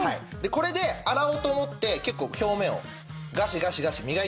これで洗おうと思って結構表面をガシガシガシ磨いていきます。